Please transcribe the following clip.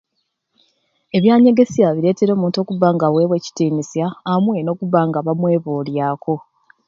Ebyanyegesya biretera omuntu okuba nga awebwa ekitinisya amwei nokuba nga bamwebulyaku